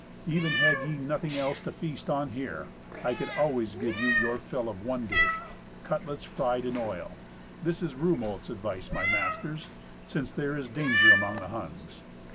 Even had ye nothing else to feat on here, I could always give you your fill of one dish—cutlets fried in oil. This is Rumolt's advice, my masters, since there is danger among the Huns.